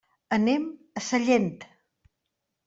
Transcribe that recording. Anem a Sellent.